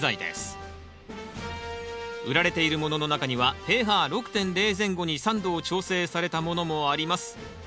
売られているものの中にはｐＨ６．０前後に酸度を調整されたものもあります。